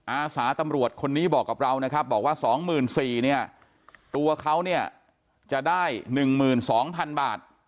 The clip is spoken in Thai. อาสาตำรวจคนนี้บอกกับเรานะครับบอกว่า๒๔๐๐เนี่ยตัวเขาเนี่ยจะได้๑๒๐๐๐บาท